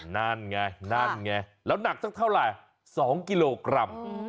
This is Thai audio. นั่นไงนั่นไงแล้วหนักสักเท่าไหร่๒กิโลกรัม